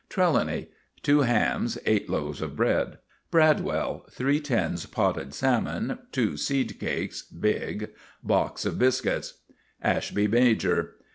TRELAWNY. Two hams, eight loaves of bread. BRADWELL. Three tins potted salmon, two seed cakes (big), box of biscuits. ASHBY MAJOR.